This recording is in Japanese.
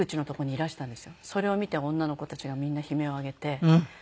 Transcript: それを見て女の子たちがみんな悲鳴を上げて。